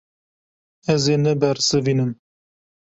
Ez ê nebersivînim.